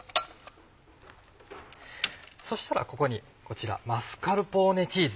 そしたらここにこちらマスカルポーネチーズ。